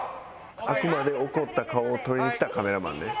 あくまで怒った顔を撮りにきたカメラマンね。